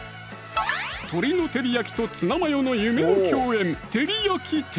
鶏のてりやきとツナマヨの夢の共演